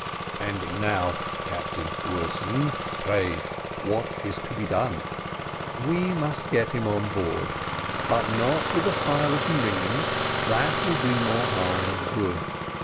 "And now, Captain Wilson, pray what is to be done?" "We must get him on board, but not with a file of marines that will do more harm than good.